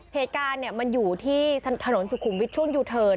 เหตุการณ์มันอยู่ที่ถนนสุขุมวิทย์ช่วงยูเทิร์น